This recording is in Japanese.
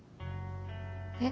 えっ。